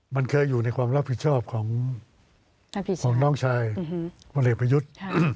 มันเคยอยู่ในความรับผิดชอบของน้องชายพลเอกประยุทธ์